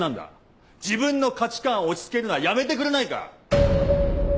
自分の価値観を押しつけるのはやめてくれないか。